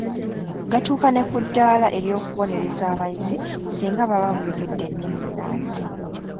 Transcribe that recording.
Gatuuka ne ku ddaala ery’okubonereza abayizi singa baba boogedde ennimi ennansi.